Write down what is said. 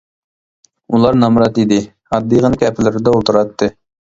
ئۇلار نامرات ئىدى، ئاددىيغىنە كەپىلەردە ئولتۇراتتى.